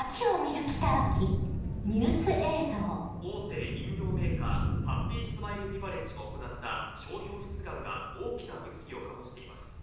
大手飲料メーカーハッピースマイルビバレッジが行った商標出願が大きな物議を醸しています。